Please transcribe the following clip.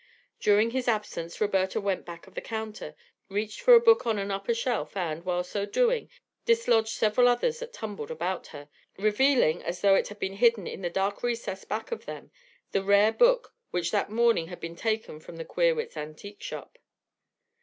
During his absence Roberta went back of the counter, reached for a book on an upper shelf and, while so doing, dislodged several others that tumbled about her, revealing, as though it had been hidden in the dark recess back of them, the rare book which that morning had been taken from the Queerwitz Antique Shop.